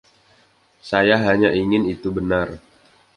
Saya hanya ingin itu benar.